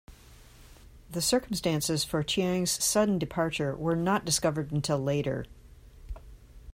The circumstances for Chiang's sudden departure were not discovered until later.